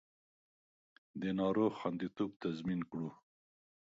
د ناروغ خوندیتوب تضمین کړو